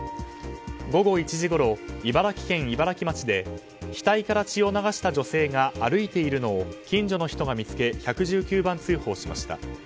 午後１時ごろ、茨城県茨城町で額から血を流した女性が歩いているのを近所の人が見つけ１１９番通報しました。